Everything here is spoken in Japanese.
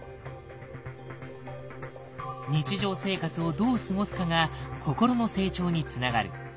日常生活をどう過ごすかが心の成長につながる。